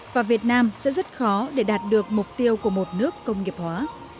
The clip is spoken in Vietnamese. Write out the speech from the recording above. và việt nam sẽ rất khó để đạt được mục tiêu của một nước công nghiệp hóa